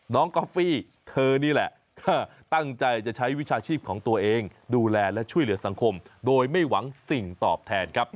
กอฟฟี่เธอนี่แหละตั้งใจจะใช้วิชาชีพของตัวเองดูแลและช่วยเหลือสังคมโดยไม่หวังสิ่งตอบแทนครับ